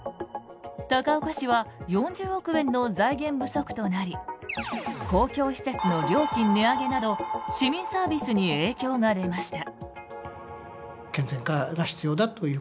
高岡市は４０億円の財源不足となり公共施設の料金値上げなど市民サービスに影響が出ました。